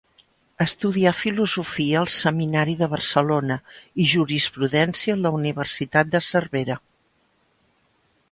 Estudià Filosofia al Seminari de Barcelona i Jurisprudència a la Universitat de Cervera.